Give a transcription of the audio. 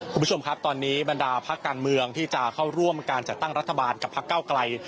คุณผู้ชมครับตอนนี้บรรดาพักการเมืองที่จะเข้าร่วมการจัดตั้งรัฐบาลกับพักเก้าไกล